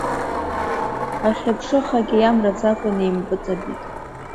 Ахьыԥшыхагьы иамраӡакәа инеимпыҵабеит.